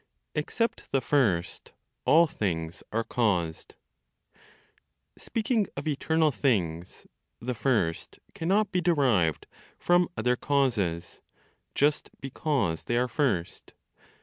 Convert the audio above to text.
EXCEPT THE FIRST, ALL THINGS ARE CAUSED. Speaking of eternal things, the first cannot be derived from other causes, just because they are first.